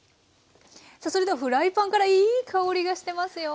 さあそれではフライパンからいい香りがしてますよ。